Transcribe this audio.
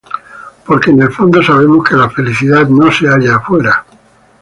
Porque en el fondo, sabemos, que la felicidad no se halla afuera.